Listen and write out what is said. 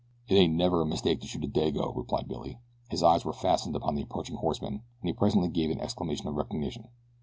"It ain't never a mistake to shoot a Dago," replied Billy. His eyes were fastened upon the approaching horsemen, and he presently gave an exclamation of recognition.